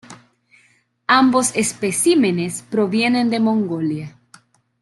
Ambos especímenes provienen de Mongolia.